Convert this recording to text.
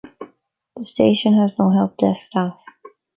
The station has no help desk staff.